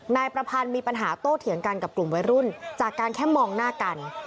นายประพันธ์มีปัญหาโต้เถียงกันกับกลุ่มวัยรุ่นจากการแค่มองหน้ากัน